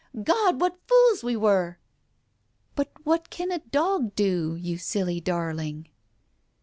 God, what fools we were !"" But what can a dog do, you silly darling